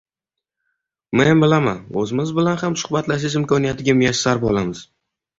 “”Men” bilan — o‘zimiz bilan ham suhbatlashish imkoniyatiga muyassar bo‘lamiz.